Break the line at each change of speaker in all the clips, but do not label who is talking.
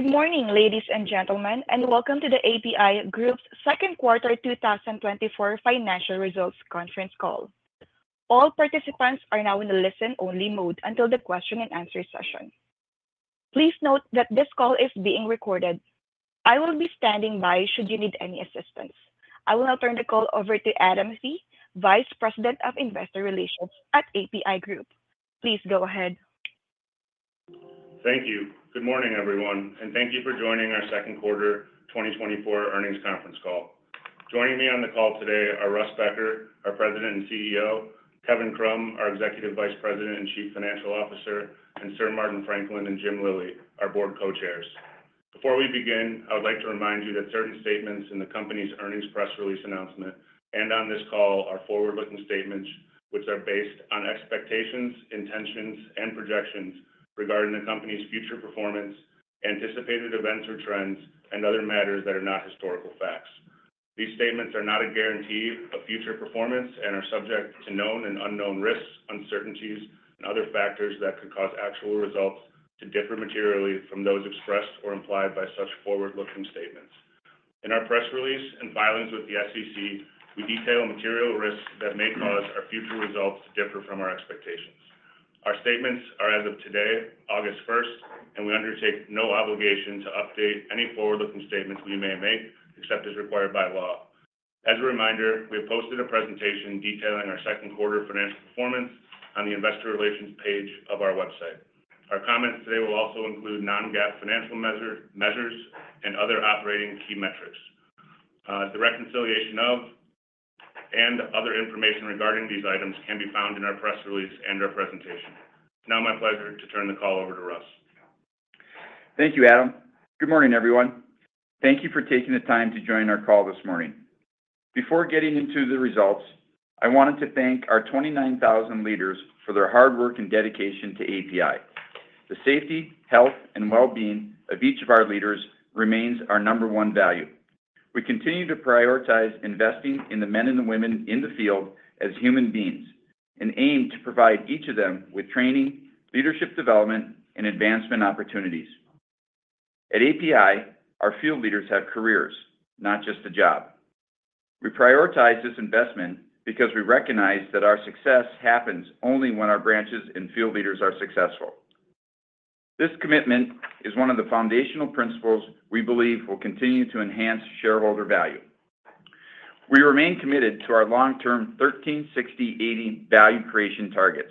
Good morning, ladies and gentlemen, and welcome to the APi Group's second quarter 2024 financial results conference call. All participants are now in a listen-only mode until the question-and-answer session. Please note that this call is being recorded. I will be standing by should you need any assistance. I will now turn the call over to Adam Fee, Vice President of Investor Relations at APi Group. Please go ahead.
Thank you. Good morning, everyone, and thank you for joining our second quarter 2024 earnings conference call. Joining me on the call today are Russ Becker, our President and CEO; Kevin Krumm, our Executive Vice President and Chief Financial Officer; and Sir Martin Franklin and Jim Lillie, our Board Co-Chairs. Before we begin, I would like to remind you that certain statements in the company's earnings press release announcement and on this call are forward-looking statements, which are based on expectations, intentions, and projections regarding the company's future performance, anticipated events or trends, and other matters that are not historical facts. These statements are not a guarantee of future performance and are subject to known and unknown risks, uncertainties, and other factors that could cause actual results to differ materially from those expressed or implied by such forward-looking statements. In our press release and filings with the SEC, we detail material risks that may cause our future results to differ from our expectations. Our statements are as of today, August 1st, and we undertake no obligation to update any forward-looking statements we may make, except as required by law. As a reminder, we have posted a presentation detailing our second quarter financial performance on the investor relations page of our website. Our comments today will also include non-GAAP financial measures and other operating key metrics. The reconciliation and other information regarding these items can be found in our press release and our presentation. It's now my pleasure to turn the call over to Russ.
Thank you, Adam. Good morning, everyone. Thank you for taking the time to join our call this morning. Before getting into the results, I wanted to thank our 29,000 leaders for their hard work and dedication to APi. The safety, health, and well-being of each of our leaders remains our number one value. We continue to prioritize investing in the men and the women in the field as human beings, and aim to provide each of them with training, leadership development, and advancement opportunities. At APi, our field leaders have careers, not just a job. We prioritize this investment because we recognize that our success happens only when our branches and field leaders are successful. This commitment is one of the foundational principles we believe will continue to enhance shareholder value. We remain committed to our long-term 13, 60, 80 value creation targets.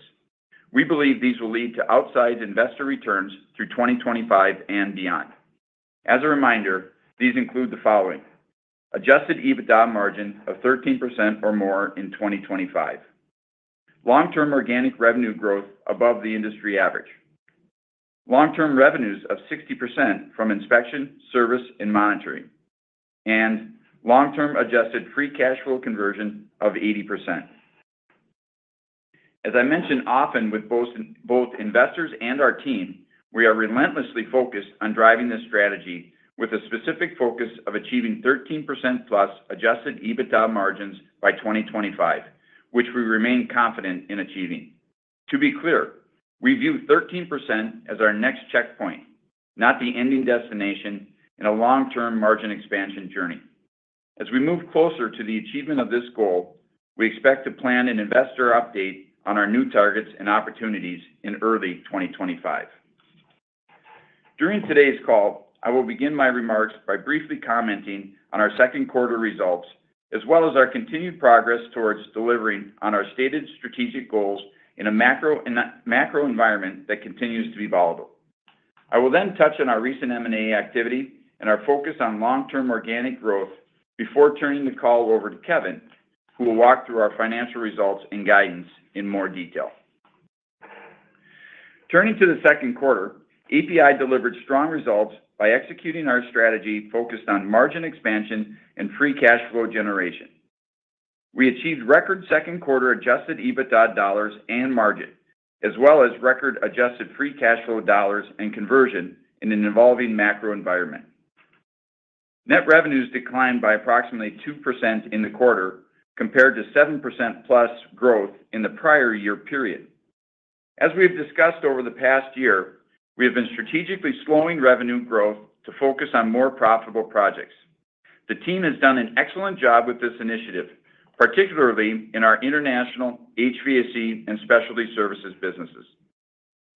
We believe these will lead to outsized investor returns through 2025 and beyond. As a reminder, these include the following: adjusted EBITDA margin of 13% or more in 2025, long-term organic revenue growth above the industry average, long-term revenues of 60% from inspection, service, and monitoring, and long-term adjusted free cash flow conversion of 80%. As I mention often with both investors and our team, we are relentlessly focused on driving this strategy with a specific focus of achieving 13%+ adjusted EBITDA margins by 2025, which we remain confident in achieving. To be clear, we view 13% as our next checkpoint, not the ending destination in a long-term margin expansion journey. As we move closer to the achievement of this goal, we expect to plan an investor update on our new targets and opportunities in early 2025. During today's call, I will begin my remarks by briefly commenting on our second quarter results, as well as our continued progress towards delivering on our stated strategic goals in a macro environment that continues to be volatile. I will then touch on our recent M&A activity and our focus on long-term organic growth before turning the call over to Kevin, who will walk through our financial results and guidance in more detail. Turning to the second quarter, APi delivered strong results by executing our strategy focused on margin expansion and free cash flow generation. We achieved record second quarter adjusted EBITDA dollars and margin, as well as record adjusted free cash flow dollars and conversion in an evolving macro environment. Net revenues declined by approximately 2% in the quarter, compared to 7%+ growth in the prior year period. As we've discussed over the past year, we have been strategically slowing revenue growth to focus on more profitable projects. The team has done an excellent job with this initiative, particularly in our international HVAC and Specialty Services businesses.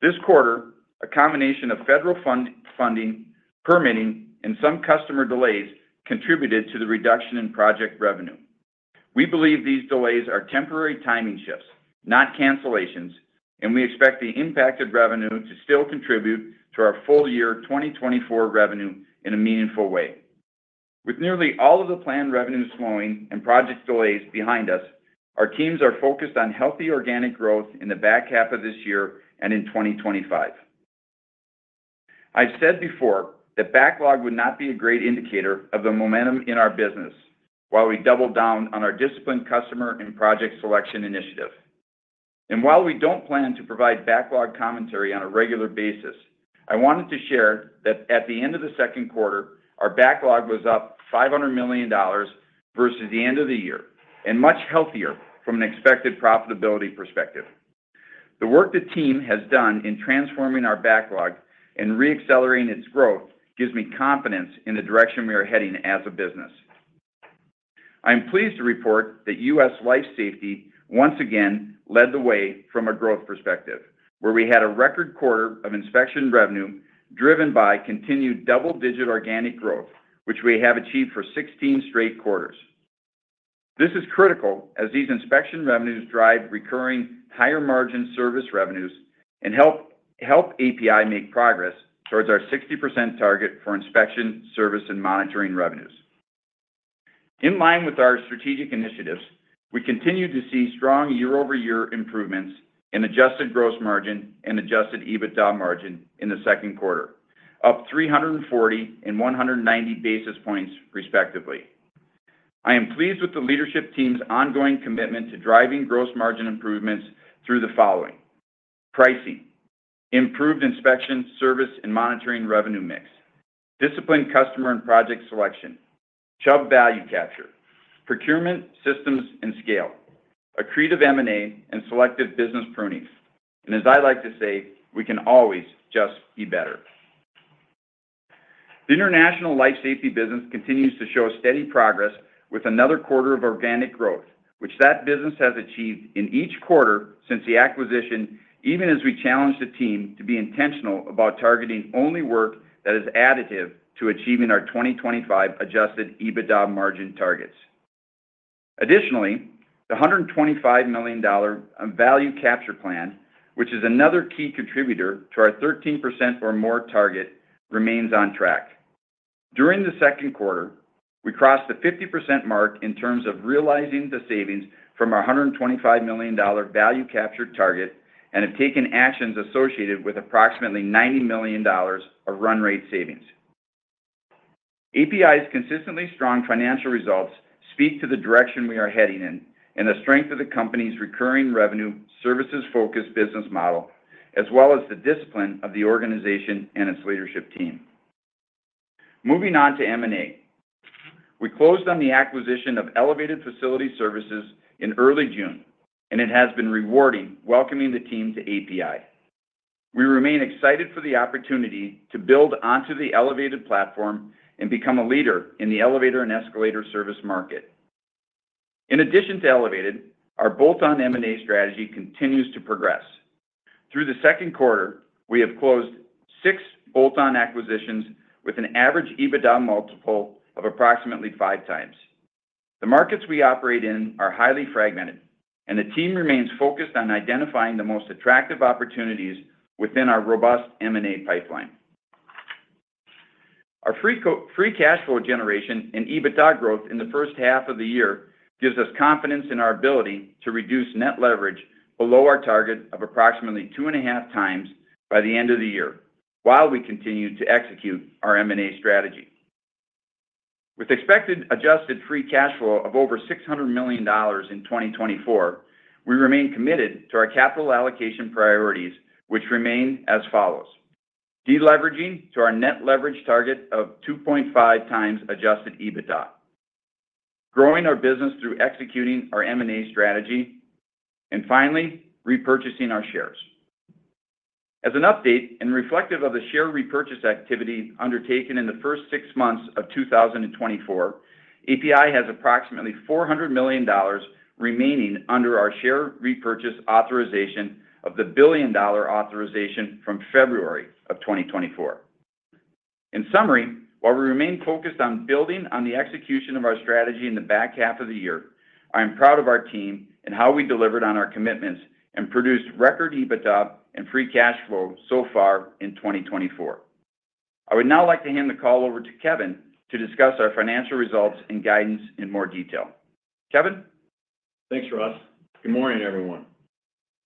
This quarter, a combination of federal funding, permitting, and some customer delays contributed to the reduction in project revenue. We believe these delays are temporary timing shifts, not cancellations, and we expect the impacted revenue to still contribute to our full year 2024 revenue in a meaningful way. With nearly all of the planned revenue slowing and project delays behind us, our teams are focused on healthy organic growth in the back half of this year and in 2025. I've said before that backlog would not be a great indicator of the momentum in our business while we double down on our disciplined customer and project selection initiative. While we don't plan to provide backlog commentary on a regular basis, I wanted to share that at the end of the second quarter, our backlog was up $500 million versus the end of the year and much healthier from an expected profitability perspective. The work the team has done in transforming our backlog and reaccelerating its growth gives me confidence in the direction we are heading as a business. I'm pleased to report that U.S. Life Safety once again led the way from a growth perspective, where we had a record quarter of inspection revenue, driven by continued double-digit organic growth, which we have achieved for 16 straight quarters. This is critical as these inspection revenues drive recurring higher margin service revenues and help APi make progress towards our 60% target for inspection, service, and monitoring revenues. In line with our strategic initiatives, we continue to see strong year-over-year improvements in adjusted gross margin and adjusted EBITDA margin in the second quarter, up 340 and 190 basis points respectively. I am pleased with the leadership team's ongoing commitment to driving gross margin improvements through the following: pricing, improved inspection, service and monitoring revenue mix, disciplined customer and project selection, Chubb value capture, procurement, systems, and scale, accretive M&A, and selective business prunings. And as I like to say, we can always just be better. The international Life Safety business continues to show steady progress with another quarter of organic growth, which that business has achieved in each quarter since the acquisition, even as we challenge the team to be intentional about targeting only work that is additive to achieving our 2025 adjusted EBITDA margin targets. Additionally, the $125 million value capture plan, which is another key contributor to our 13% or more target, remains on track. During the second quarter, we crossed the 50% mark in terms of realizing the savings from our $125 million value capture target and have taken actions associated with approximately $90 million of run rate savings. APi's consistently strong financial results speak to the direction we are heading in, and the strength of the company's recurring revenue, services-focused business model, as well as the discipline of the organization and its leadership team. Moving on to M&A. We closed on the acquisition of Elevated Facility Services in early June, and it has been rewarding welcoming the team to APi. We remain excited for the opportunity to build onto the Elevated platform and become a leader in the elevator and escalator service market. In addition to Elevated, our bolt-on M&A strategy continues to progress. Through the second quarter, we have closed six bolt-on acquisitions with an average EBITDA multiple of approximately 5x. The markets we operate in are highly fragmented, and the team remains focused on identifying the most attractive opportunities within our robust M&A pipeline. Our free cash flow generation and EBITDA growth in the first half of the year gives us confidence in our ability to reduce net leverage below our target of approximately 2.5x by the end of the year, while we continue to execute our M&A strategy. With expected adjusted free cash flow of over $600 million in 2024, we remain committed to our capital allocation priorities, which remain as follows: deleveraging to our net leverage target of 2.5x adjusted EBITDA, growing our business through executing our M&A strategy, and finally, repurchasing our shares. As an update and reflective of the share repurchase activity undertaken in the first six months of 2024, APi has approximately $400 million remaining under our share repurchase authorization of the $1 billion authorization from February 2024. In summary, while we remain focused on building on the execution of our strategy in the back half of the year, I am proud of our team and how we delivered on our commitments and produced record EBITDA and free cash flow so far in 2024. I would now like to hand the call over to Kevin to discuss our financial results and guidance in more detail. Kevin?
Thanks, Russ. Good morning, everyone.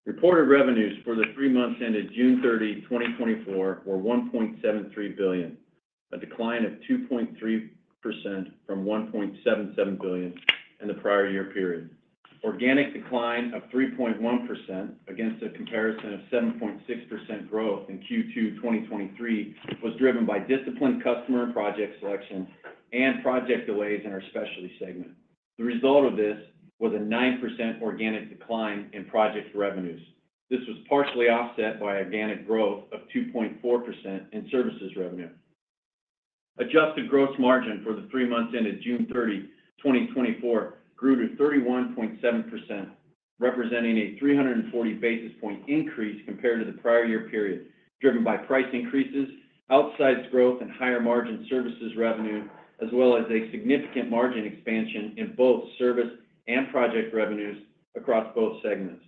Reported revenues for the three months ended June 30, 2024, were $1.73 billion, a decline of 2.3% from $1.77 billion in the prior year period. Organic decline of 3.1% against a comparison of 7.6% growth in Q2 2023, was driven by disciplined customer and project selection and project delays in our Specialty segment. The result of this was a 9% organic decline in project revenues. This was partially offset by organic growth of 2.4% in services revenue. Adjusted gross margin for the three months ended June 30, 2024, grew to 31.7%, representing a 340 basis point increase compared to the prior year period, driven by price increases, outsized growth and higher margin services revenue, as well as a significant margin expansion in both service and project revenues across both segments.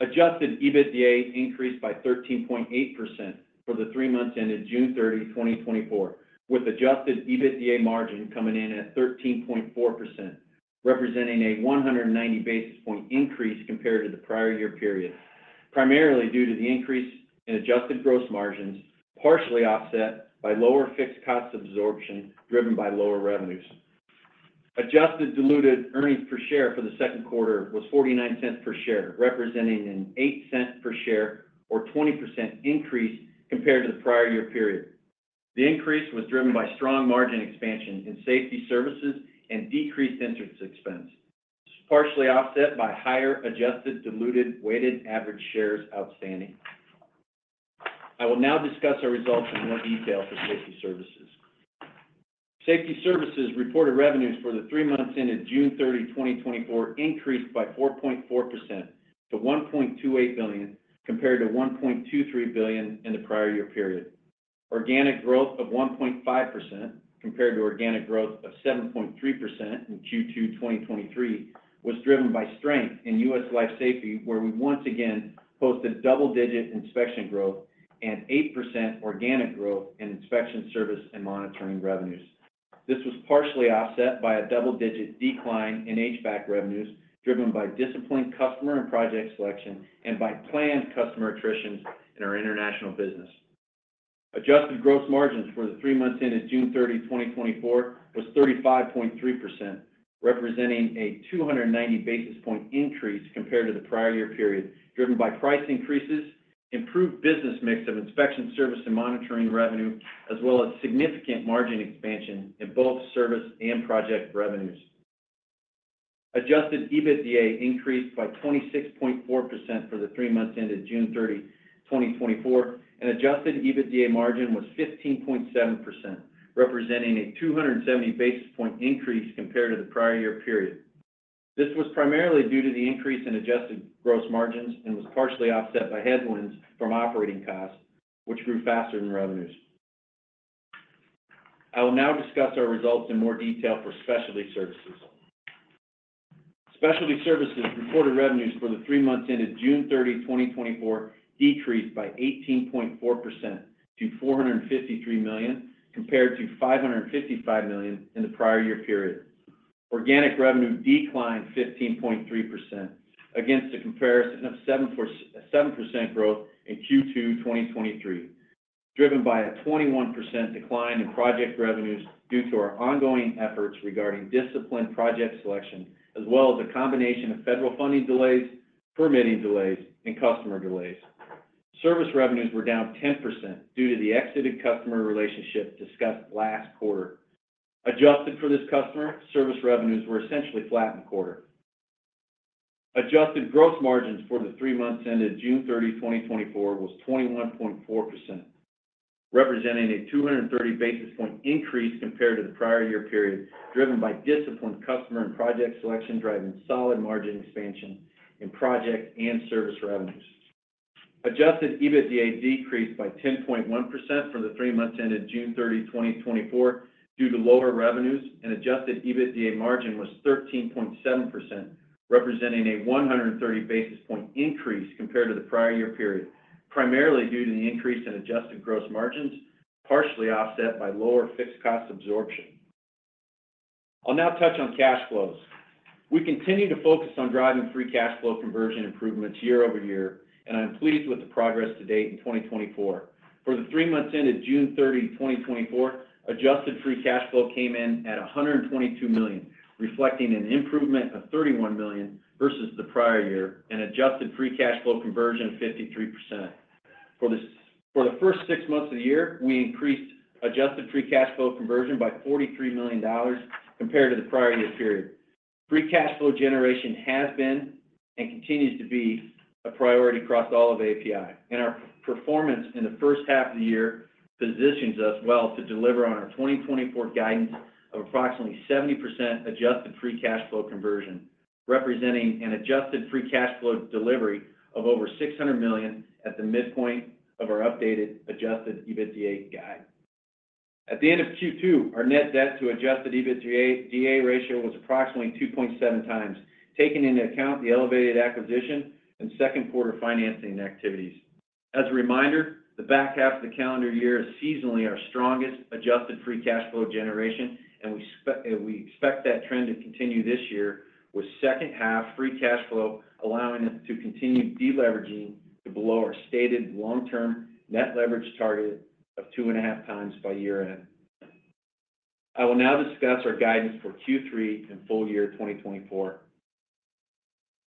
Adjusted EBITDA increased by 13.8% for the three months ended June 30, 2024, with adjusted EBITDA margin coming in at 13.4%, representing a 190 basis point increase compared to the prior year period, primarily due to the increase in adjusted gross margins, partially offset by lower fixed cost absorption driven by lower revenues. Adjusted diluted earnings per share for the second quarter was $0.49 per share, representing an $0.08 per share or 20% increase compared to the prior year period. The increase was driven by strong margin expansion in Safety Services and decreased interest expense, partially offset by higher adjusted diluted weighted average shares outstanding. I will now discuss our results in more detail for Safety Services. Safety Services reported revenues for the three months ended June 30, 2024, increased by 4.4% to $1.28 billion, compared to $1.23 billion in the prior year period. Organic growth of 1.5%, compared to organic growth of 7.3% in Q2 2023, was driven by strength in U.S. Life Safety, where we once again posted double-digit inspection growth and 8% organic growth in inspection service and monitoring revenues. This was partially offset by a double-digit decline in HVAC revenues, driven by disciplined customer and project selection and by planned customer attrition in our international business. Adjusted gross margins for the three months ended June 30, 2024, was 35.3%, representing a 290 basis point increase compared to the prior year period, driven by price increases, improved business mix of inspection service and monitoring revenue, as well as significant margin expansion in both service and project revenues. Adjusted EBITDA increased by 26.4% for the three months ended June 30, 2024, and adjusted EBITDA margin was 15.7%, representing a 270 basis point increase compared to the prior year period. This was primarily due to the increase in adjusted gross margins and was partially offset by headwinds from operating costs, which grew faster than revenues. I will now discuss our results in more detail for Specialty Services. Specialty Services reported revenues for the three months ended June 30, 2024, decreased by 18.4% to $453 million, compared to $555 million in the prior year period. Organic revenue declined 15.3% against a comparison of 7% growth in Q2 2023, driven by a 21% decline in project revenues due to our ongoing efforts regarding disciplined project selection, as well as a combination of federal funding delays, permitting delays, and customer delays. Service revenues were down 10% due to the exited customer relationship discussed last quarter. Adjusted for this customer, service revenues were essentially flat in quarter. Adjusted gross margins for the three months ended June 30, 2024, was 21.4%, representing a 230 basis point increase compared to the prior year period, driven by disciplined customer and project selection, driving solid margin expansion in project and service revenues. Adjusted EBITDA decreased by 10.1% for the three months ended June 30, 2024, due to lower revenues, and adjusted EBITDA margin was 13.7%, representing a 130 basis point increase compared to the prior year period, primarily due to the increase in adjusted gross margins, partially offset by lower fixed cost absorption. I'll now touch on cash flows. We continue to focus on driving free cash flow conversion improvements year-over-year, and I'm pleased with the progress to date in 2024. For the three months ended June 30, 2024, adjusted free cash flow came in at $122 million, reflecting an improvement of $31 million versus the prior year, and adjusted free cash flow conversion of 53%. For the first six months of the year, we increased adjusted free cash flow conversion by $43 million compared to the prior year period. Free cash flow generation has been, and continues to be a priority across all of APi, and our performance in the first half of the year positions us well to deliver on our 2024 guidance of approximately 70% adjusted free cash flow conversion, representing an adjusted free cash flow delivery of over $600 million at the midpoint of our updated adjusted EBITDA guide. At the end of Q2, our net debt to adjusted EBITDA, DA ratio was approximately 2.7x, taking into account the Elevated acquisition and second quarter financing activities. As a reminder, the back half of the calendar year is seasonally our strongest adjusted free cash flow generation, and we expect that trend to continue this year, with second half free cash flow allowing us to continue deleveraging to below our stated long-term net leverage target of 2.5x by year-end. I will now discuss our guidance for Q3 and full year 2024.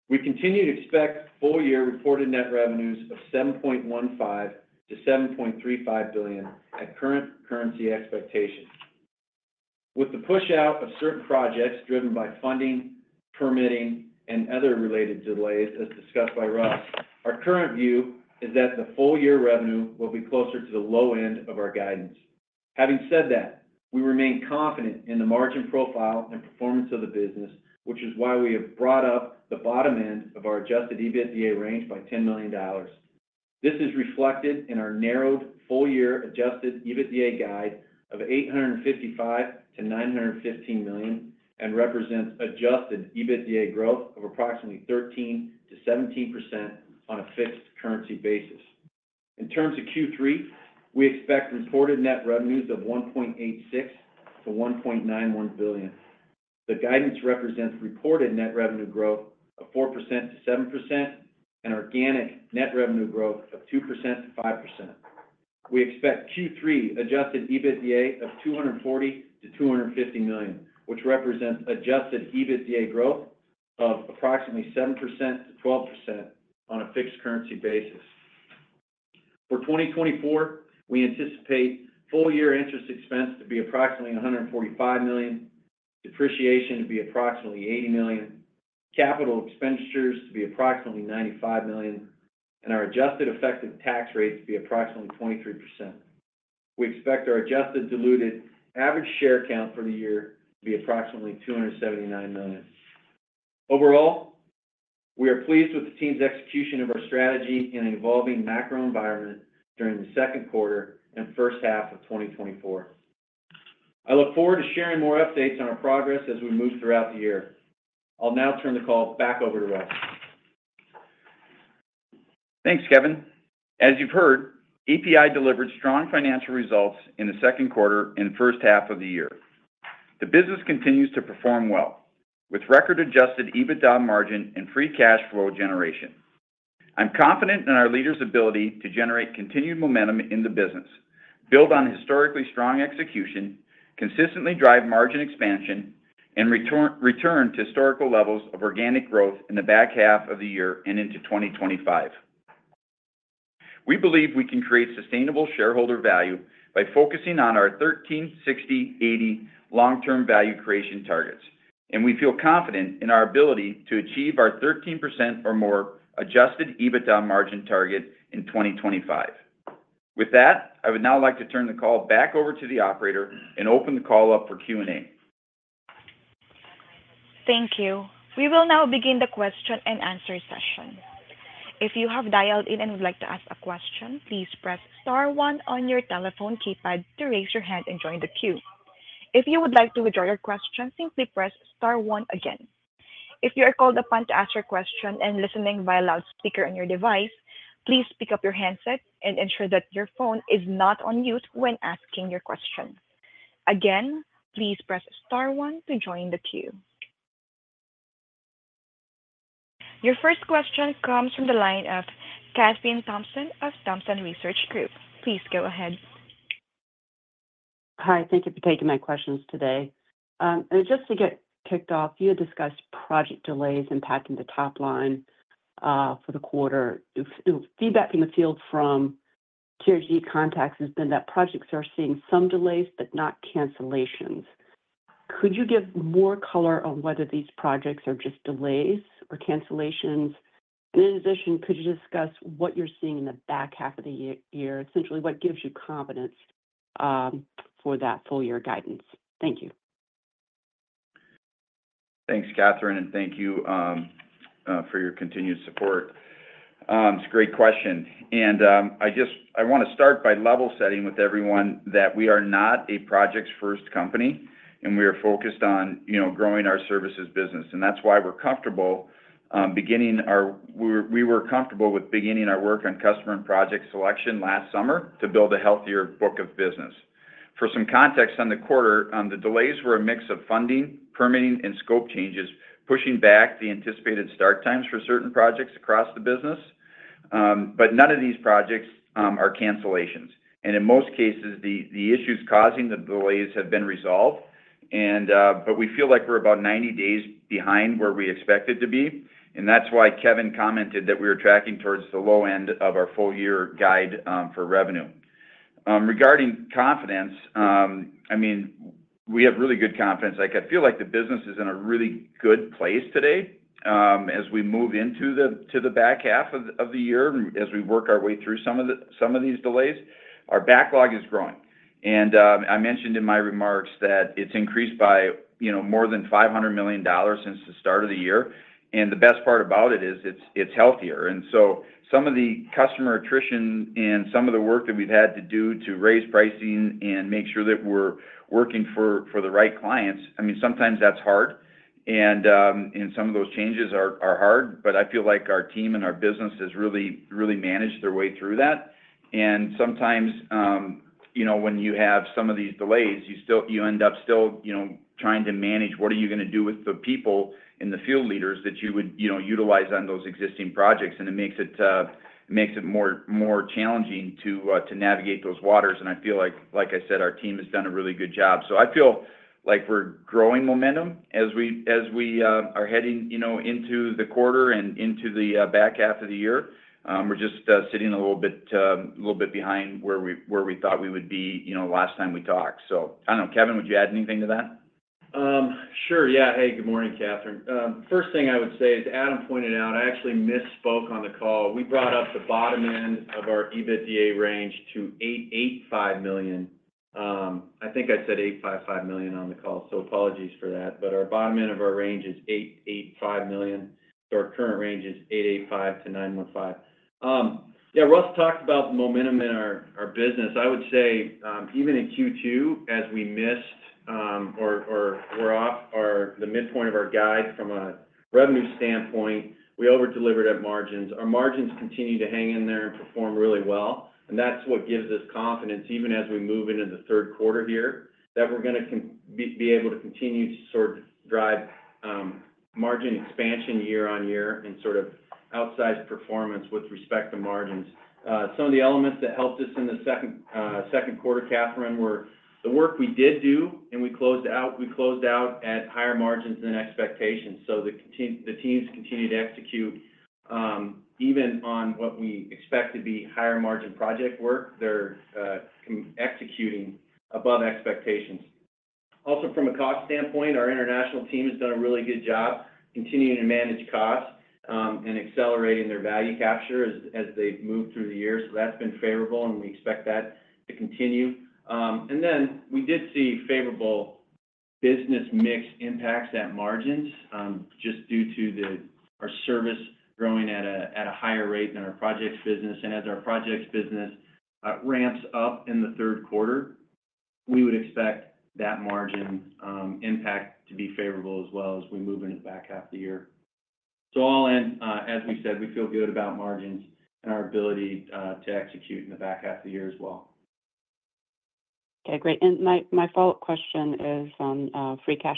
We continue to expect full-year reported net revenues of $7.15 billion-$7.35 billion at current currency expectations. With the pushout of certain projects driven by funding, permitting, and other related delays, as discussed by Russ, our current view is that the full-year revenue will be closer to the low end of our guidance. Having said that, we remain confident in the margin profile and performance of the business, which is why we have brought up the bottom end of our adjusted EBITDA range by $10 million. This is reflected in our narrowed full-year adjusted EBITDA guide of $855 million-$915 million and represents adjusted EBITDA growth of approximately 13%-17% on a fixed currency basis. In terms of Q3, we expect reported net revenues of $1.86 billion-$1.91 billion. The guidance represents reported net revenue growth of 4%-7% and organic net revenue growth of 2%-5%. We expect Q3 adjusted EBITDA of $240 million-$250 million, which represents adjusted EBITDA growth of approximately 7%-12% on a fixed currency basis. For 2024, we anticipate full year interest expense to be approximately $145 million, depreciation to be approximately $80 million, capital expenditures to be approximately $95 million, and our adjusted effective tax rate to be approximately 23%. We expect our adjusted diluted average share count for the year to be approximately 279 million. Overall, we are pleased with the team's execution of our strategy in an evolving macro environment during the second quarter and first half of 2024. I look forward to sharing more updates on our progress as we move throughout the year. I'll now turn the call back over to Russ.
Thanks, Kevin. As you've heard, APi delivered strong financial results in the second quarter and first half of the year. The business continues to perform well, with record adjusted EBITDA margin and free cash flow generation. I'm confident in our leaders' ability to generate continued momentum in the business, build on historically strong execution, consistently drive margin expansion, and return to historical levels of organic growth in the back half of the year and into 2025. We believe we can create sustainable shareholder value by focusing on our 13/60/80 long-term value creation targets, and we feel confident in our ability to achieve our 13% or more adjusted EBITDA margin target in 2025. With that, I would now like to turn the call back over to the operator and open the call up for Q&A.
Thank you. We will now begin the question-and-answer session. If you have dialed in and would like to ask a question, please press star one on your telephone keypad to raise your hand and join the queue. If you would like to withdraw your question, simply press star one again. If you are called upon to ask your question and listening via loudspeaker on your device, please pick up your handset and ensure that your phone is not on mute when asking your question. Again, please press star one to join the queue. Your first question comes from the line of Kathryn Thompson of Thompson Research Group. Please go ahead.
Hi, thank you for taking my questions today. And just to get kicked off, you had discussed project delays impacting the top line for the quarter. Feedback from the field from TRG contacts has been that projects are seeing some delays but not cancellations. Could you give more color on whether these projects are just delays or cancellations? And in addition, could you discuss what you're seeing in the back half of the year? Essentially, what gives you confidence for that full year guidance? Thank you.
Thanks, Kathryn, and thank you for your continued support. It's a great question, and I want to start by level setting with everyone that we are not a projects first company, and we are focused on, you know, growing our services business. And that's why we're comfortable beginning our work on customer and project selection last summer to build a healthier book of business. For some context on the quarter, the delays were a mix of funding, permitting, and scope changes, pushing back the anticipated start times for certain projects across the business. But none of these projects are cancellations, and in most cases, the issues causing the delays have been resolved. But we feel like we're about 90 days behind where we expected to be, and that's why Kevin commented that we were tracking towards the low end of our full year guide for revenue. Regarding confidence, I mean, we have really good confidence. Like, I feel like the business is in a really good place today as we move into the back half of the year, as we work our way through some of these delays. Our backlog is growing. And I mentioned in my remarks that it's increased by, you know, more than $500 million since the start of the year. And the best part about it is it's healthier. So some of the customer attrition and some of the work that we've had to do to raise pricing and make sure that we're working for the right clients, I mean, sometimes that's hard and some of those changes are hard, but I feel like our team and our business has really, really managed their way through that. Sometimes, you know, when you have some of these delays, you end up still, you know, trying to manage what are you gonna do with the people and the field leaders that you would, you know, utilize on those existing projects. And it makes it more challenging to navigate those waters. And I feel like, like I said, our team has done a really good job. So I feel like we're growing momentum as we are heading, you know, into the quarter and into the back half of the year. We're just sitting a little bit behind where we thought we would be, you know, last time we talked. So I don't know, Kevin, would you add anything to that?
Sure. Yeah. Hey, good morning, Kathryn. First thing I would say is, Adam pointed out, I actually misspoke on the call. We brought up the bottom end of our EBITDA range to $885 million. I think I said $855 million on the call, so apologies for that. But our bottom end of our range is $885 million, so our current range is $885 million-$915 million. Yeah, Russ talked about the momentum in our business. I would say, even in Q2, as we missed, or we're off the midpoint of our guide from a revenue standpoint, we over-delivered at margins. Our margins continued to hang in there and perform really well, and that's what gives us confidence, even as we move into the third quarter here, that we're gonna be able to continue to sort of drive margin expansion year on year and sort of outsized performance with respect to margins. Some of the elements that helped us in the second quarter, Kathryn, were the work we did do, and we closed out at higher margins than expectations. So the teams continue to execute, even on what we expect to be higher margin project work, they're executing above expectations. Also, from a cost standpoint, our international team has done a really good job continuing to manage costs, and accelerating their value capture as they've moved through the year. So that's been favorable, and we expect that to continue. And then we did see favorable business mix impacts at margins, just due to our service growing at a higher rate than our projects business. As our projects business ramps up in the third quarter, we would expect that margin impact to be favorable as well as we move into the back half of the year. All in, as we said, we feel good about margins and our ability to execute in the back half of the year as well.
Okay, great. And my follow-up question is on free cash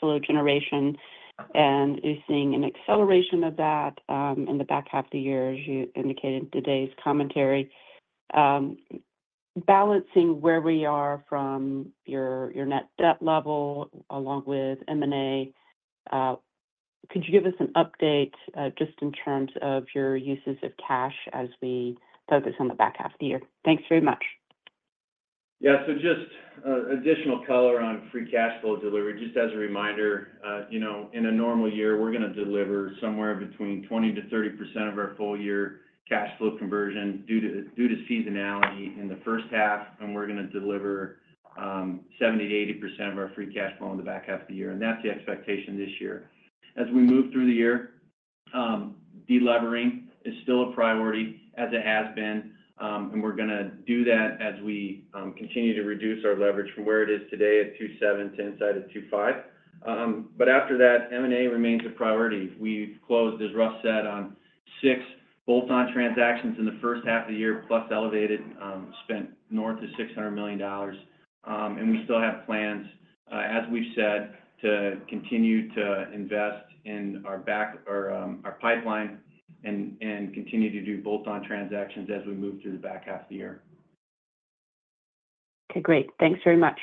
flow generation and is seeing an acceleration of that in the back half of the year, as you indicated in today's commentary. Balancing where we are from your net debt level along with M&A, could you give us an update just in terms of your uses of cash as we focus on the back half of the year? Thanks very much.
Yeah. So just, additional color on free cash flow delivery. Just as a reminder, you know, in a normal year, we're gonna deliver somewhere between 20%-30% of our full-year cash flow conversion due to, due to seasonality in the first half, and we're gonna deliver, 70%-80% of our free cash flow in the back half of the year, and that's the expectation this year. As we move through the year, delevering is still a priority as it has been, and we're gonna do that as we, continue to reduce our leverage from where it is today at 2.7 to inside of 2.5. But after that, M&A remains a priority. We've closed, as Russ said, on 6 bolt-on transactions in the first half of the year, plus elevated, spent north of $600 million. We still have plans, as we've said, to continue to invest in our pipeline and continue to do bolt-on transactions as we move through the back half of the year.
Okay, great. Thanks very much.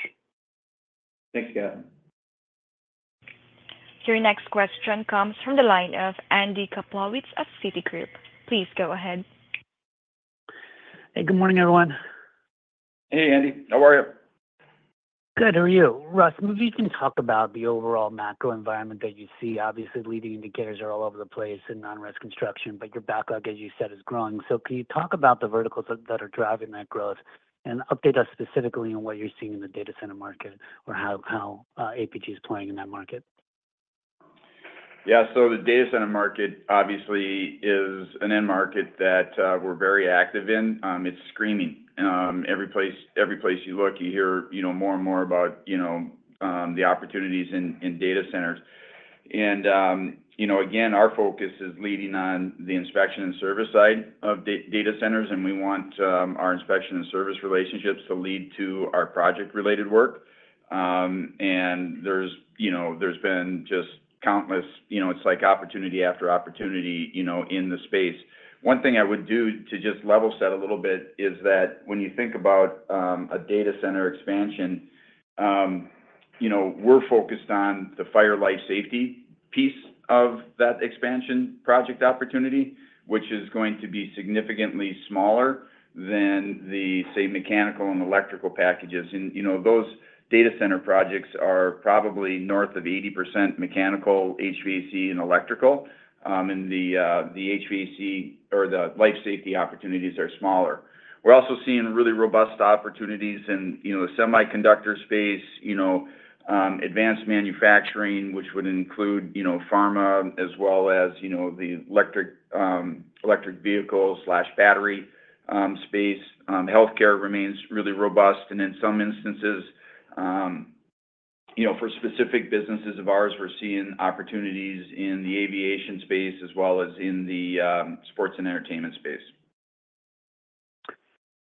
Thanks, Kath.
Your next question comes from the line of Andy Kaplowitz of Citigroup. Please go ahead.
Hey, good morning, everyone.
Hey, Andy. How are you?
Good. How are you? Russ, maybe you can talk about the overall macro environment that you see. Obviously, leading indicators are all over the place in non-res construction, but your backlog, as you said, is growing. So can you talk about the verticals that are driving that growth, and update us specifically on what you're seeing in the data center market or how APi is playing in that market?
Yeah. So the data center market, obviously, is an end market that we're very active in. It's screaming. Every place, every place you look, you hear, you know, more and more about, you know, the opportunities in data centers. And, you know, again, our focus is leading on the inspection and service side of data centers, and we want our inspection and service relationships to lead to our project-related work. And there's, you know, there's been just countless, you know, it's like opportunity after opportunity, you know, in the space. One thing I would do to just level set a little bit is that when you think about a data center expansion, you know, we're focused on the fire and life safety piece of that expansion project opportunity, which is going to be significantly smaller than the, say, mechanical and electrical packages. And, you know, those data center projects are probably north of 80% mechanical, HVAC, and electrical. And the HVAC or the life safety opportunities are smaller. We're also seeing really robust opportunities in, you know, the semiconductor space, you know, advanced manufacturing, which would include, you know, pharma, as well as, you know, the electric vehicle/battery space. Healthcare remains really robust, and in some instances, you know, for specific businesses of ours, we're seeing opportunities in the aviation space as well as in the sports and entertainment space.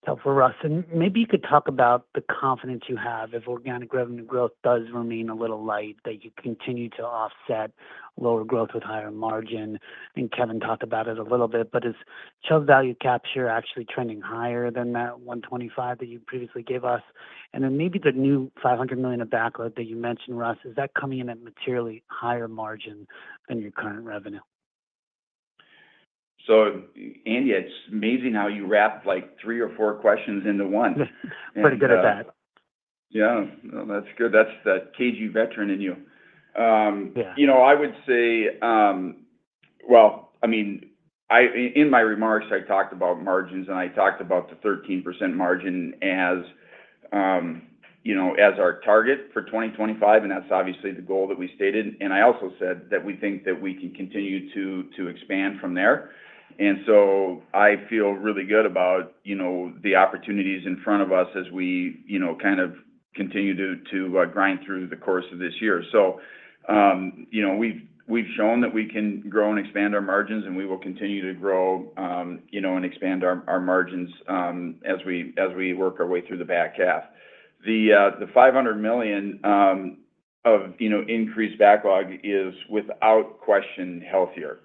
Helpful, Russ. Maybe you could talk about the confidence you have if organic revenue growth does remain a little light, that you continue to offset lower growth with higher margin. Kevin talked about it a little bit, but is Chubb's value capture actually trending higher than that $125 million that you previously gave us? Then maybe the new $500 million of backlog that you mentioned, Russ, is that coming in at materially higher margin than your current revenue?
Andy, it's amazing how you wrapped, like, three or four questions into one.
Pretty good at that.
Yeah. No, that's good. That's the KG veteran in you.
Yeah.
You know, I would say, well, I mean, in my remarks, I talked about margins, and I talked about the 13% margin as, you know, as our target for 2025, and that's obviously the goal that we stated. And I also said that we think that we can continue to expand from there. And so I feel really good about, you know, the opportunities in front of us as we, you know, kind of continue to grind through the course of this year. So, you know, we've shown that we can grow and expand our margins, and we will continue to grow, you know, and expand our margins, as we work our way through the back half. The $500 million of, you know, increased backlog is, without question, healthier.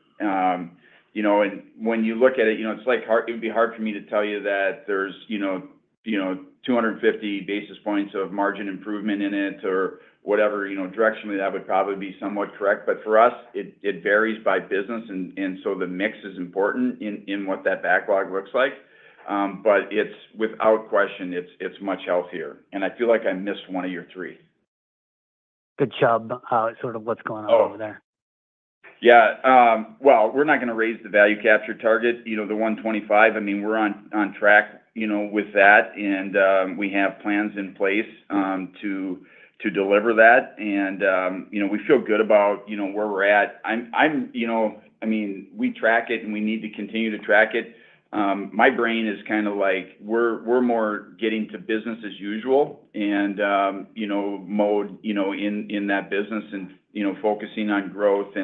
You know, and when you look at it, you know, it's like hard—it would be hard for me to tell you that there's, you know, you know, 250 basis points of margin improvement in it or whatever, you know. Directionally, that would probably be somewhat correct, but for us, it varies by business, and so the mix is important in what that backlog looks like. But it's, without question, much healthier. And I feel like I missed one of your three.
Good job, sort of what's going on over there?
Oh. Yeah, well, we're not going to raise the value capture target, you know, the $125 million. I mean, we're on track, you know, with that, and we have plans in place to deliver that. And you know, we feel good about, you know, where we're at. I'm you know, I mean, we track it, and we need to continue to track it. My brain is kind of like, we're more getting to business as usual, and you know, mode, you know, in that business and, you know, focusing on growth.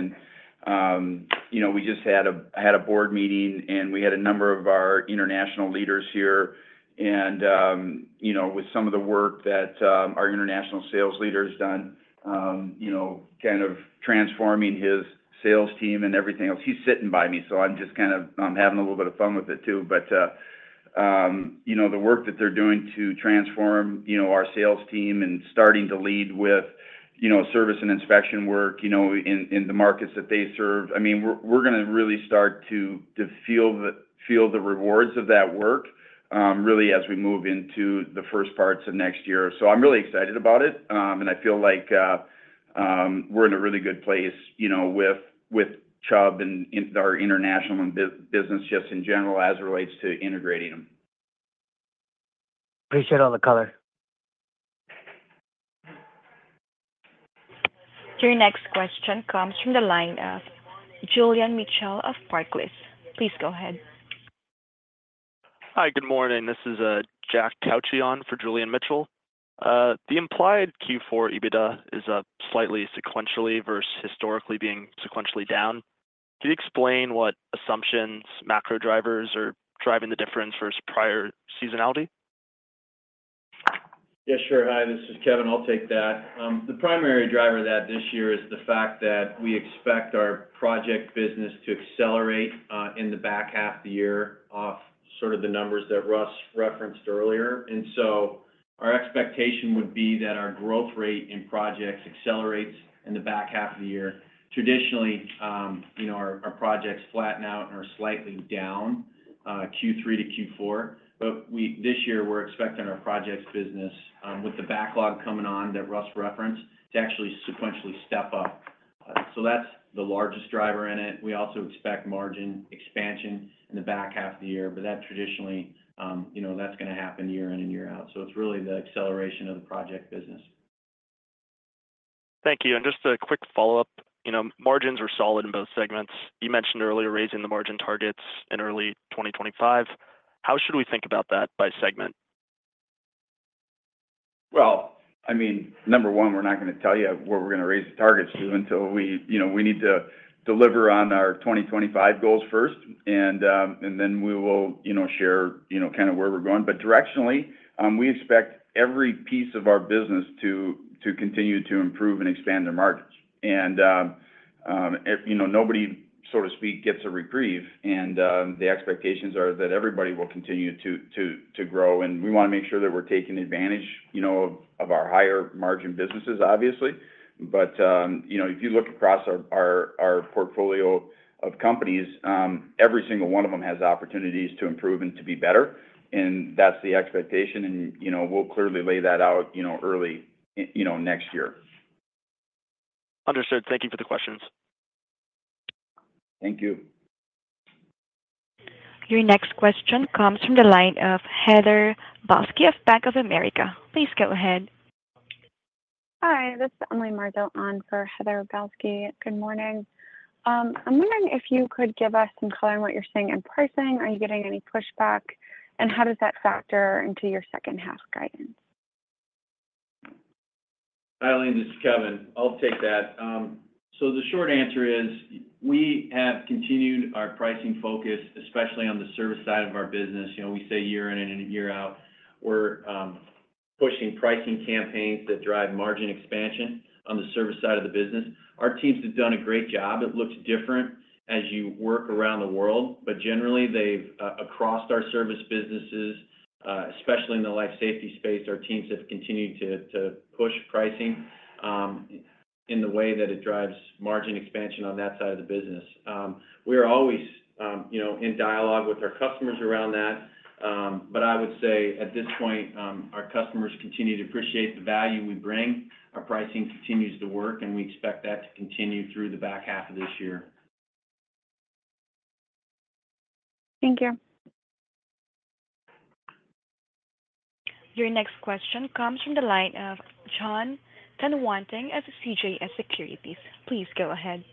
You know, we just had a board meeting, and we had a number of our international leaders here, and, you know, with some of the work that our international sales leader has done, you know, kind of transforming his sales team and everything else. He's sitting by me, so I'm just kind of having a little bit of fun with it, too. But, you know, the work that they're doing to transform, you know, our sales team and starting to lead with, you know, service and inspection work, you know, in the markets that they serve. I mean, we're gonna really start to feel the rewards of that work, really, as we move into the first parts of next year. So I'm really excited about it, and I feel like we're in a really good place, you know, with Chubb and in our international business just in general, as it relates to integrating them.
Appreciate all the color.
Your next question comes from the line of Julian Mitchell of Barclays. Please go ahead.
Hi, good morning. This is Jack Cauchi for Julian Mitchell. The implied Q4 EBITDA is slightly sequentially versus historically being sequentially down. Can you explain what assumptions, macro drivers are driving the difference versus prior seasonality?
Yeah, sure. Hi, this is Kevin. I'll take that. The primary driver of that this year is the fact that we expect our project business to accelerate in the back half of the year off sort of the numbers that Russ referenced earlier. And so our expectation would be that our growth rate in projects accelerates in the back half of the year. Traditionally, you know, our projects flatten out and are slightly down Q3 to Q4. But we, this year, we're expecting our projects business, with the backlog coming on that Russ referenced, to actually sequentially step up. So that's the largest driver in it. We also expect margin expansion in the back half of the year, but that traditionally, you know, that's gonna happen year in and year out. So it's really the acceleration of the project business.
Thank you. Just a quick follow-up. You know, margins are solid in both segments. You mentioned earlier raising the margin targets in early 2025. How should we think about that by segment?
Well, I mean, number one, we're not going to tell you where we're going to raise the targets to until we, you know, we need to deliver on our 2025 goals first, and then we will, you know, share, you know, kind of where we're going. But directionally, we expect every piece of our business to continue to improve and expand their margins. And you know, nobody, so to speak, gets a reprieve, and the expectations are that everybody will continue to grow. And we want to make sure that we're taking advantage, you know, of our higher margin businesses, obviously. But you know, if you look across our portfolio of companies, every single one of them has opportunities to improve and to be better, and that's the expectation. You know, we'll clearly lay that out, you know, early, you know, next year.
Understood. Thank you for the questions.
Thank you.
Your next question comes from the line of Heather Balsky of Bank of America. Please go ahead.
Hi, this is Emily Marzo on for Heather Balsky. Good morning. I'm wondering if you could give us some color on what you're seeing in pricing. Are you getting any pushback, and how does that factor into your second half guidance?
Hi, Emily, this is Kevin. I'll take that. So the short answer is, we have continued our pricing focus, especially on the service side of our business. You know, we say year in and year out, we're pushing pricing campaigns that drive margin expansion on the service side of the business. Our teams have done a great job. It looks different as you work around the world, but generally, they've across our service businesses, especially in the Life Safety space, our teams have continued to push pricing in the way that it drives margin expansion on that side of the business. We are always, you know, in dialogue with our customers around that, but I would say at this point, our customers continue to appreciate the value we bring. Our pricing continues to work, and we expect that to continue through the back half of this year.
Thank you.
Your next question comes from the line of Jon Tanwanteng of CJS Securities. Please go ahead.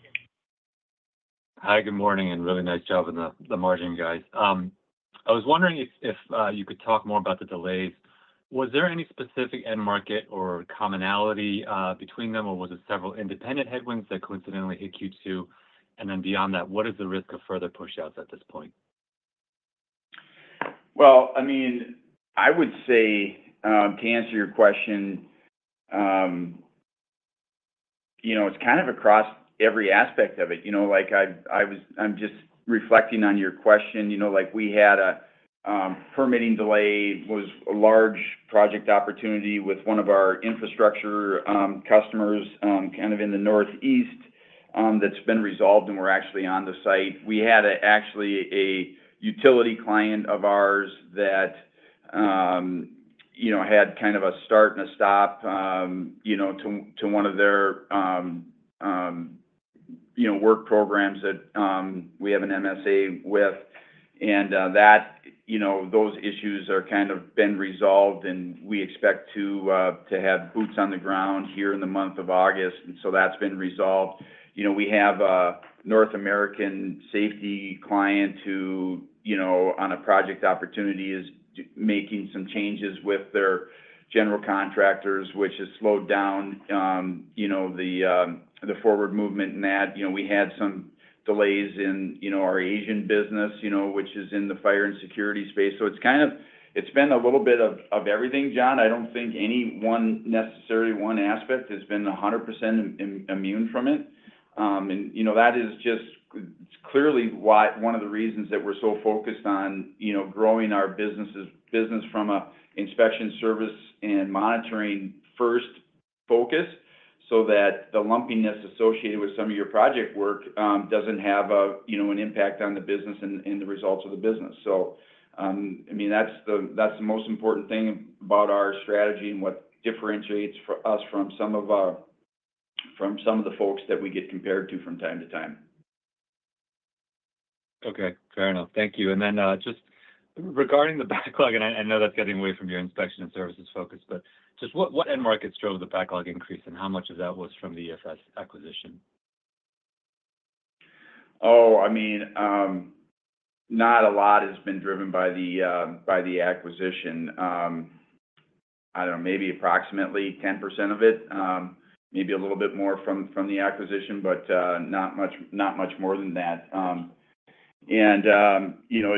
Hi, good morning, and really nice job on the margin, guys. I was wondering if you could talk more about the delays. Was there any specific end market or commonality between them, or was it several independent headwinds that coincidentally hit Q2? And then beyond that, what is the risk of further pushouts at this point?
Well, I mean, I would say, to answer your question, you know, it's kind of across every aspect of it. You know, like, I'm just reflecting on your question, you know, like, we had a permitting delay, was a large project opportunity with one of our infrastructure customers, kind of in the Northeast, that's been resolved, and we're actually on the site. We had actually a utility client of ours that, you know, had kind of a start and a stop, you know, to one of their work programs that we have an MSA with. And that, you know, those issues are kind of been resolved, and we expect to have boots on the ground here in the month of August. And so that's been resolved. You know, we have a North American safety client who, you know, on a project opportunity, is making some changes with their general contractors, which has slowed down, you know, the, the forward movement in that. You know, we had some delays in, you know, our Asian business, you know, which is in the fire and security space. So it's kind of. It's been a little bit of everything, Jon. I don't think any one, necessarily one aspect has been 100% immune from it. You know, that is just clearly why one of the reasons that we're so focused on, you know, growing our businesses, business from a inspection service and monitoring first focus, so that the lumpiness associated with some of your project work doesn't have a, you know, an impact on the business and, and the results of the business. So, I mean, that's the most important thing about our strategy and what differentiates for us from some of the folks that we get compared to from time to time.
Okay. Fair enough. Thank you. And then, just regarding the backlog, and I know that's getting away from your inspection and services focus, but just what end markets drove the backlog increase, and how much of that was from the EFS acquisition?
Oh, I mean, not a lot has been driven by the, by the acquisition. I don't know, maybe approximately 10% of it, maybe a little bit more from the acquisition, but, not much, not much more than that. And, you know,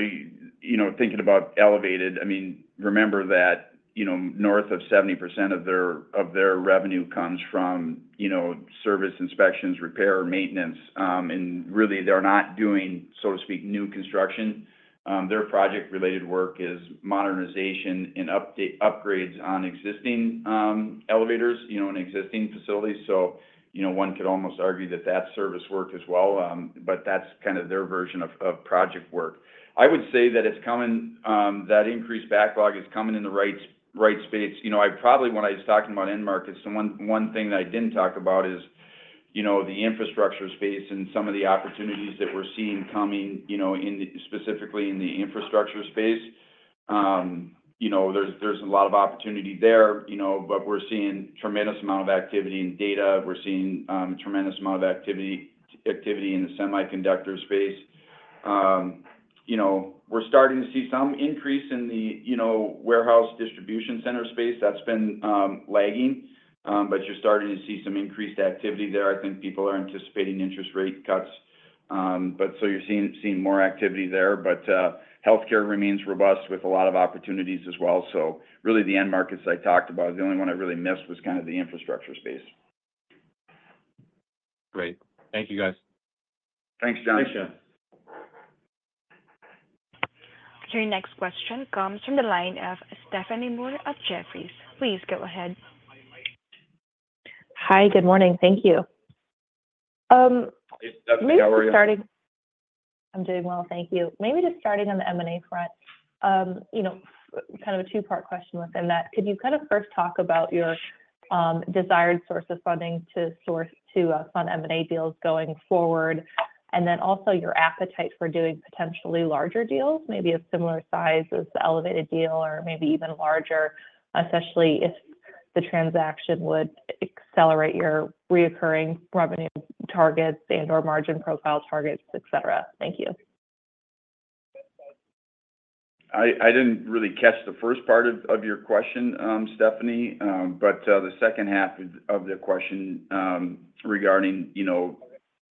you know, thinking about Elevated, I mean, remember that, you know, north of 70% of their revenue comes from, you know, service inspections, repair, maintenance, and really, they're not doing, so to speak, new construction. Their project-related work is modernization and upgrades on existing, elevators, you know, and existing facilities. So, you know, one could almost argue that that's service work as well, but that's kind of their version of project work. I would say that it's coming, that increased backlog is coming in the right space. You know, I probably, when I was talking about end markets, and one thing that I didn't talk about is, you know, the infrastructure space and some of the opportunities that we're seeing coming, you know, specifically in the infrastructure space. You know, there's a lot of opportunity there, you know, but we're seeing tremendous amount of activity in data. We're seeing tremendous amount of activity in the semiconductor space. You know, we're starting to see some increase in the warehouse distribution center space that's been lagging, but you're starting to see some increased activity there. I think people are anticipating interest rate cuts. But so you're seeing more activity there. But healthcare remains robust with a lot of opportunities as well. Really, the end markets I talked about, the only one I really missed was kind of the infrastructure space.
Great. Thank you, guys.
Thanks, John.
Thanks, John.
Your next question comes from the line of Stephanie Moore of Jefferies. Please go ahead.
Hi, good morning. Thank you.
Hey, Stephanie, how are you?
I'm doing well. Thank you. Maybe just starting on the M&A front, you know, kind of a two-part question within that. Could you kind of first talk about your desired source of funding to fund M&A deals going forward, and then also your appetite for doing potentially larger deals, maybe of similar size as the Elevated deal or maybe even larger, especially if the transaction would accelerate your recurring revenue targets and/or margin profile targets, et cetera? Thank you.
I didn't really catch the first part of your question, Stephanie, but the second half of the question, regarding, you know,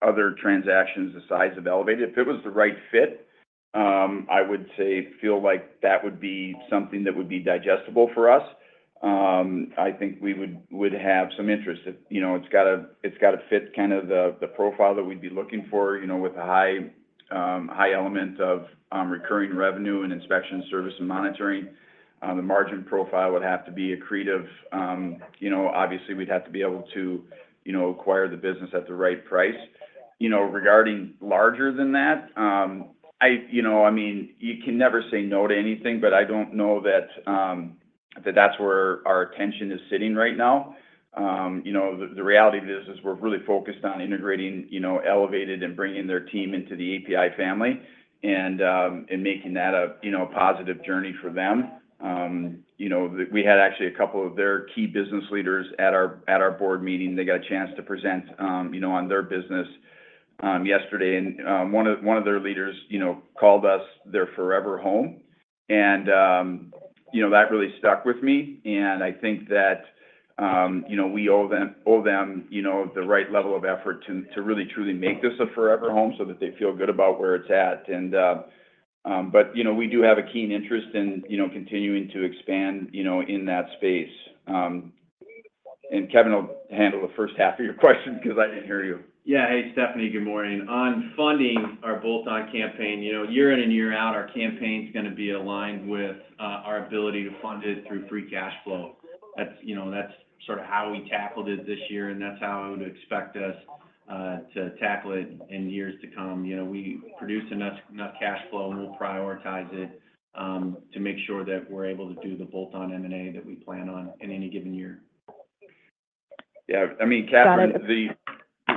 other transactions the size of Elevated, if it was the right fit, I would say feel like that would be something that would be digestible for us. I think we would have some interest. If, you know, it's got to fit kind of the profile that we'd be looking for, you know, with a high element of recurring revenue and inspection service and monitoring. The margin profile would have to be accretive. You know, obviously, we'd have to be able to, you know, acquire the business at the right price. You know, regarding larger than that, you know, I mean, you can never say no to anything, but I don't know that that's where our attention is sitting right now. You know, the, the reality of it is, is we're really focused on integrating, you know, Elevated and bringing their team into the APi family, and, and making that a, you know, a positive journey for them. You know, we, we had actually a couple of their key business leaders at our, at our board meeting. They got a chance to present, you know, on their business, yesterday, and, one of, one of their leaders, you know, called us their forever home. And... You know, that really stuck with me, and I think that, you know, we owe them, owe them, you know, the right level of effort to, to really truly make this a forever home so that they feel good about where it's at. And, but, you know, we do have a keen interest in, you know, continuing to expand, you know, in that space. And Kevin will handle the first half of your question 'cause I didn't hear you.
Yeah. Hey, Stephanie, good morning. On funding our bolt-on campaign, you know, year in and year out, our campaign's gonna be aligned with our ability to fund it through free cash flow. That's, you know, that's sort of how we tackled it this year, and that's how I would expect us to tackle it in years to come. You know, we produce enough, enough cash flow, and we'll prioritize it to make sure that we're able to do the bolt-on M&A that we plan on in any given year.
Yeah. I mean,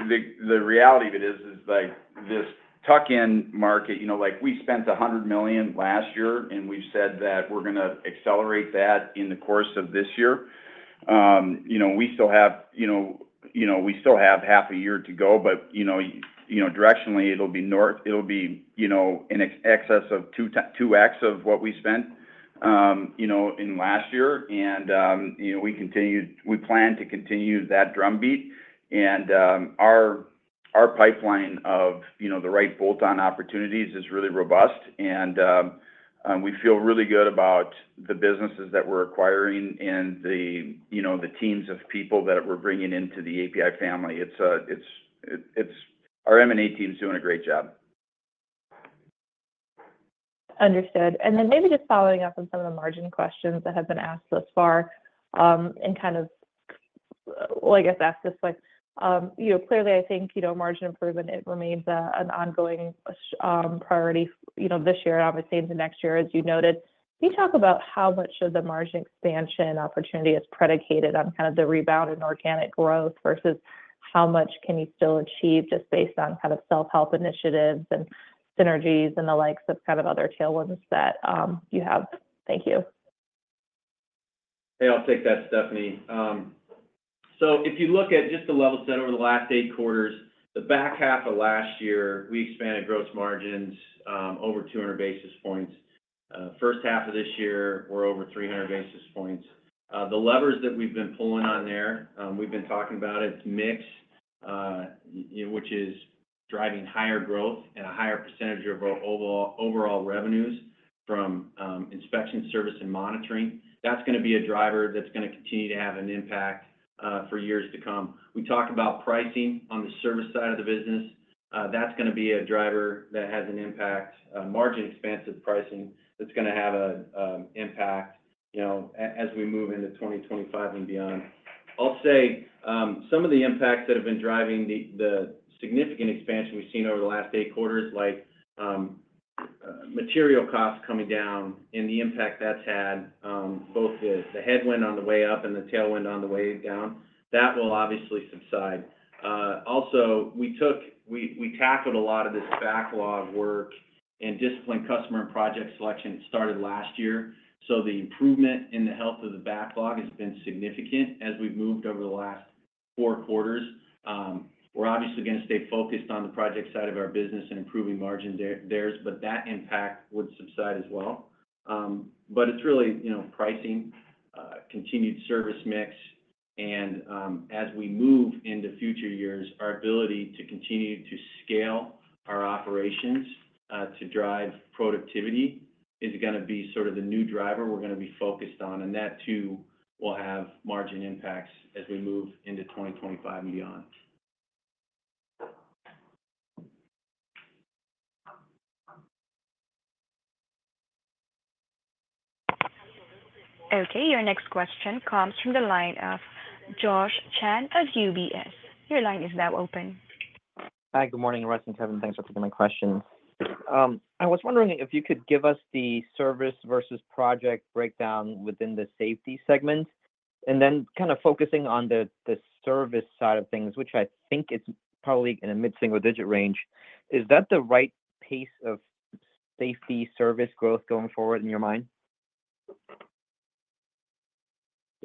the reality of it is, like, this tuck-in market, you know, like, we spent $100 million last year, and we've said that we're gonna accelerate that in the course of this year. You know, we still have half a year to go, but, you know, directionally, it'll be in excess of 2x of what we spent in last year. And, you know, we plan to continue that drumbeat. And, our pipeline of the right bolt-on opportunities is really robust, and we feel really good about the businesses that we're acquiring and the, you know, teams of people that we're bringing into the APi family. It's, our M&A team is doing a great job.
Understood. And then maybe just following up on some of the margin questions that have been asked thus far, and kind of, well, I guess, ask this way. You know, clearly, I think, you know, margin improvement, it remains an ongoing priority, you know, this year and obviously into next year, as you noted. Can you talk about how much of the margin expansion opportunity is predicated on kind of the rebound in organic growth, versus how much can you still achieve just based on kind of self-help initiatives and synergies and the likes of kind of other tailwinds that you have? Thank you.
Hey, I'll take that, Stephanie. So if you look at just the level set over the last eight quarters, the back half of last year, we expanded gross margins over 200 basis points. First half of this year, we're over 300 basis points. The levers that we've been pulling on there, we've been talking about it, it's mix, which is driving higher growth and a higher percentage of our overall, overall revenues from inspection service and monitoring. That's gonna be a driver that's gonna continue to have an impact for years to come. We talked about pricing on the service side of the business. That's gonna be a driver that has an impact, margin expansive pricing that's gonna have an impact, you know, as we move into 2025 and beyond. I'll say, some of the impacts that have been driving the significant expansion we've seen over the last eight quarters, like, material costs coming down and the impact that's had, both the headwind on the way up and the tailwind on the way down, that will obviously subside. Also, we tackled a lot of this backlog work, and disciplined customer and project selection started last year. So the improvement in the health of the backlog has been significant as we've moved over the last four quarters. We're obviously gonna stay focused on the project side of our business and improving margin there, but that impact would subside as well. But it's really, you know, pricing, continued service mix, and, as we move into future years, our ability to continue to scale our operations, to drive productivity is gonna be sort of the new driver we're gonna be focused on, and that, too, will have margin impacts as we move into 2025 and beyond.
Okay, your next question comes from the line of Josh Chan of UBS. Your line is now open.
Hi, good morning, Russ and Kevin. Thanks for taking my questions. I was wondering if you could give us the service versus project breakdown within the Safety segment, and then kind of focusing on the, the service side of things, which I think is probably in a mid-single digit range. Is that the right pace of Safety Service growth going forward in your mind?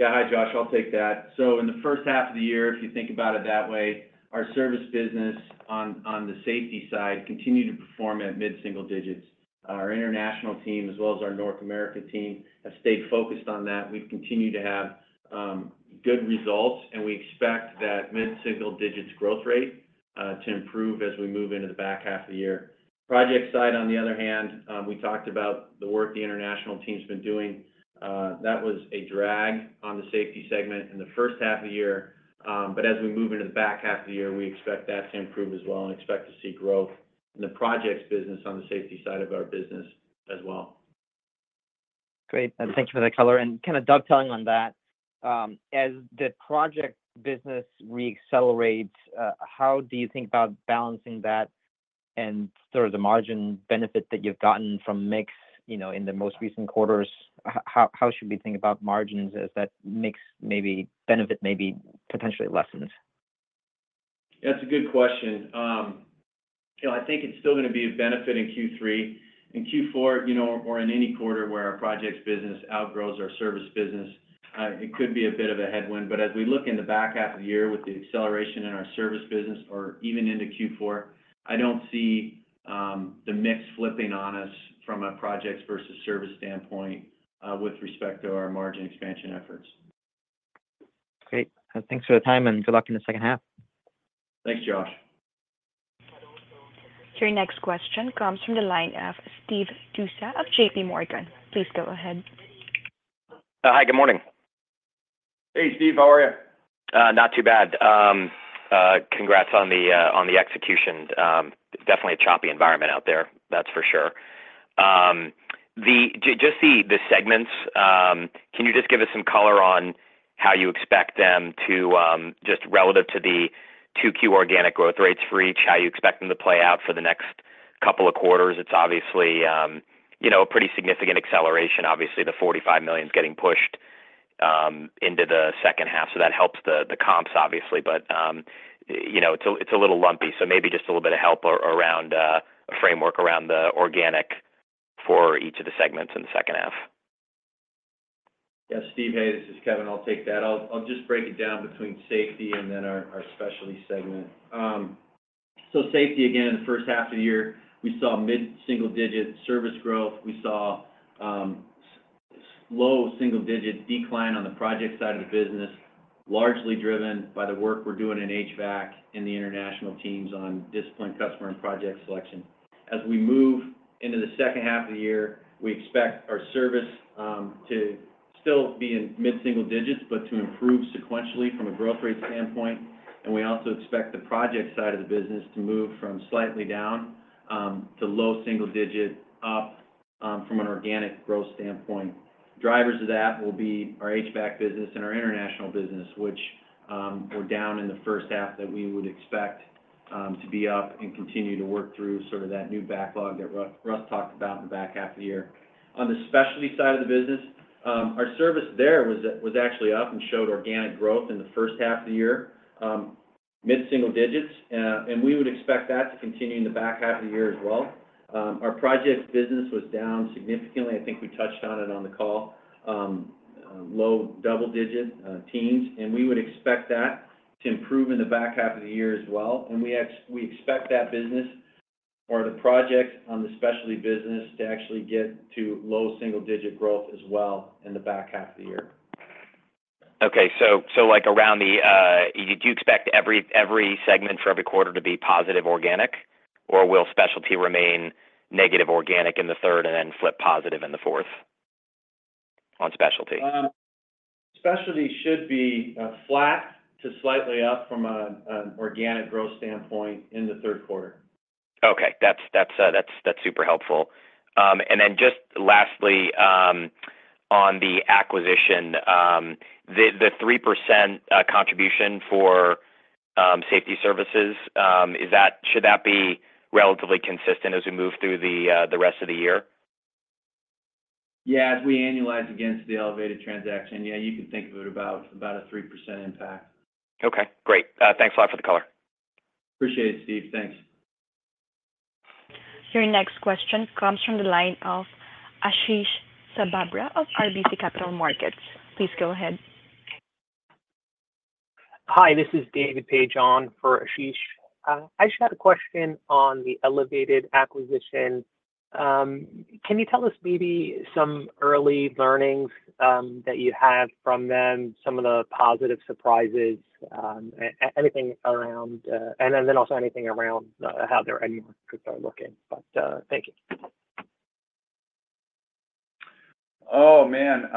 Yeah. Hi, Josh, I'll take that. So in the first half of the year, if you think about it that way, our service business on the Safety side continued to perform at mid-single digits. Our international team, as well as our North America team, have stayed focused on that. We've continued to have good results, and we expect that mid-single digits growth rate to improve as we move into the back half of the year. Project side, on the other hand, we talked about the work the international team's been doing. That was a drag on the Safety segment in the first half of the year, but as we move into the back half of the year, we expect that to improve as well and expect to see growth in the projects business on the Safety side of our business as well.
Great. Thank you for that color. Kind of dovetailing on that, as the project business reaccelerates, how do you think about balancing that and sort of the margin benefit that you've gotten from mix, you know, in the most recent quarters? How should we think about margins as that mix, maybe benefit, maybe potentially lessens?
That's a good question. You know, I think it's still gonna be a benefit in Q3. In Q4, you know, or in any quarter where our projects business outgrows our service business, it could be a bit of a headwind, but as we look in the back half of the year with the acceleration in our service business or even into Q4, I don't see the mix flipping on us from a projects versus service standpoint with respect to our margin expansion efforts.
Great. Thanks for the time, and good luck in the second half.
Thanks, Josh.
Your next question comes from the line of Steve Tusa of JPMorgan. Please go ahead.
Hi, good morning.
Hey, Steve. How are you?
Not too bad. Congrats on the execution. It's definitely a choppy environment out there. That's for sure. The segments, can you just give us some color on how you expect them to just relative to the 2Q organic growth rates for each, how you expect them to play out for the next couple of quarters? It's obviously, you know, a pretty significant acceleration. Obviously, the $45 million is getting pushed into the second half, so that helps the comps, obviously. But, you know, it's a little lumpy, so maybe just a little bit of help around a framework around the organic for each of the segments in the second half.
Yes, Steve, hey, this is Kevin. I'll take that. I'll just break it down between Safety and then our Specialty segment. So Safety, again, first half of the year, we saw mid-single digit service growth. We saw low single digit decline on the project side of the business, largely driven by the work we're doing in HVAC and the international teams on discipline, customer, and project selection. As we move into the second half of the year, we expect our service to still be in mid-single digits, but to improve sequentially from a growth rate standpoint. And we also expect the project side of the business to move from slightly down to low single digit up from an organic growth standpoint. Drivers of that will be our HVAC business and our international business, which were down in the first half that we would expect to be up and continue to work through sort of that new backlog that Russ talked about in the back half of the year. On the Specialty side of the business, our service there was actually up and showed organic growth in the first half of the year, mid-single digits, and we would expect that to continue in the back half of the year as well. Our project business was down significantly. I think we touched on it on the call, low double digit, teens, and we would expect that to improve in the back half of the year as well. We expect that business or the project on the Specialty business to actually get to low single digit growth as well in the back half of the year.
Okay, so, like, do you expect every segment for every quarter to be positive organic, or will Specialty remain negative organic in the third and then flip positive in the fourth on Specialty?
Specialty should be flat to slightly up from an organic growth standpoint in the third quarter.
Okay. That's super helpful. And then just lastly, on the acquisition, the 3% contribution for Safety Services, should that be relatively consistent as we move through the rest of the year?
Yeah, as we annualize against the elevated transaction, yeah, you can think of it about a 3% impact.
Okay, great. Thanks a lot for the color.
Appreciate it, Steve. Thanks.
Your next question comes from the line of Ashish Sabadra of RBC Capital Markets. Please go ahead.
Hi, this is David Paige on for Ashish. I just had a question on the Elevated acquisition. Can you tell us maybe some early learnings that you have from them, some of the positive surprises, anything around. And then also anything around how their margins are looking. But thank you.
Oh, man,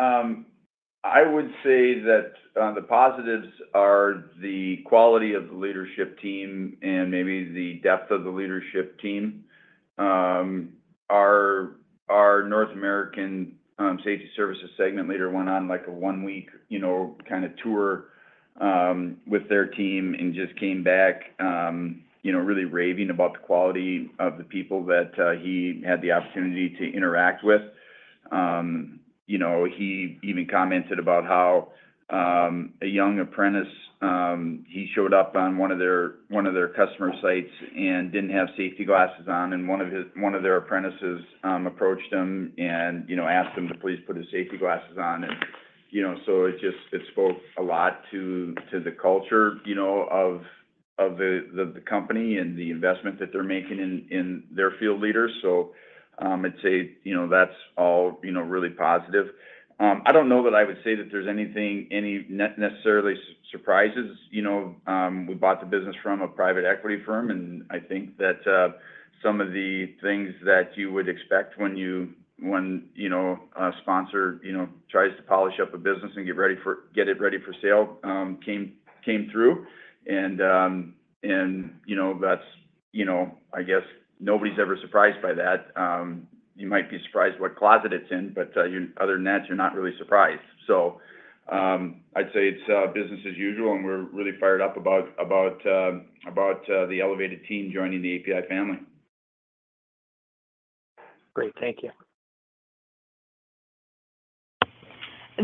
I would say that the positives are the quality of the leadership team and maybe the depth of the leadership team. Our North American Safety Services segment leader went on, like, a one-week, you know, kinda tour with their team and just came back, you know, really raving about the quality of the people that he had the opportunity to interact with. You know, he even commented about how a young apprentice showed up on one of their customer sites and didn't have safety glasses on, and one of their apprentices approached him and, you know, asked him to please put his safety glasses on. You know, so it just spoke a lot to the culture, you know, of the company and the investment that they're making in their field leaders. So, I'd say, you know, that's all, you know, really positive. I don't know that I would say that there's anything, any necessarily surprises, you know, we bought the business from a private equity firm, and I think that some of the things that you would expect when you know a sponsor, you know, tries to polish up a business and get it ready for sale came through. And, you know, that's, you know, I guess, nobody's ever surprised by that. You might be surprised what closet it's in, but other than that, you're not really surprised. So, I'd say it's business as usual, and we're really fired up about the Elevated team joining the APi family.
Great. Thank you.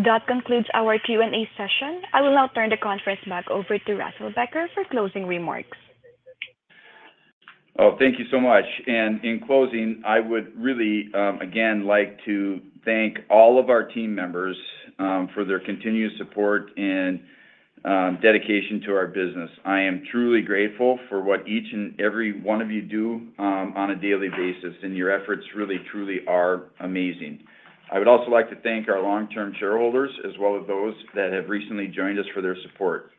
That concludes our Q&A session. I will now turn the conference back over to Russell Becker for closing remarks.
Oh, thank you so much. And in closing, I would really, again, like to thank all of our team members, for their continued support and, dedication to our business. I am truly grateful for what each and every one of you do, on a daily basis, and your efforts really, truly are amazing. I would also like to thank our long-term shareholders, as well as those that have recently joined us for their support.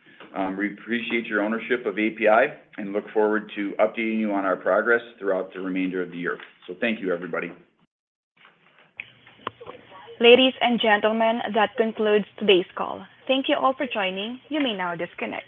We appreciate your ownership of API and look forward to updating you on our progress throughout the remainder of the year. So thank you, everybody.
Ladies and gentlemen, that concludes today's call. Thank you all for joining. You may now disconnect.